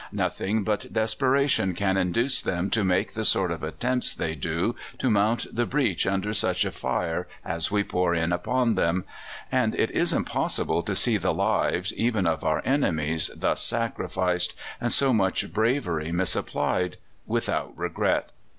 Nothing but desperation can induce them to make the sort of attempts they do to mount the breach under such a fire as we pour in upon them; and it is impossible to see the lives, even of our enemies, thus sacrificed, and so much bravery misapplied, without regret.